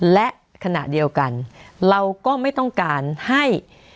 และขณะเดียวกันเราก็ไม่ต้องการให้